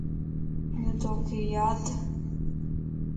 يو توک يادَ ؟